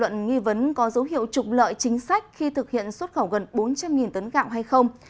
nó vẫn có dấu hiệu trục lợi chính sách khi thực hiện xuất khẩu gần bốn trăm linh tấn gạo hay không